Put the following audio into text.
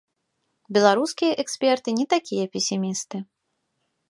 Беларускія эксперты не такія песімісты.